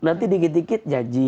nanti dikit dikit janji